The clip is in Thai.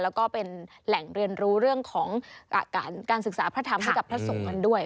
แล้วก็เป็นแหล่งเรียนรู้เรื่องของการศึกษาพระธรรมให้กับพระสงฆ์กันด้วย